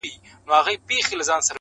چي له مځکي تر اسمانه پاچاهان یو٫